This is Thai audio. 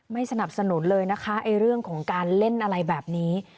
สนับสนุนเลยนะคะเรื่องของการเล่นอะไรแบบนี้